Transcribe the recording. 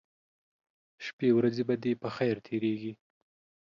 شپې ورځې به دې په خیر تیریږي